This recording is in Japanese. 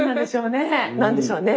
何なんでしょうね？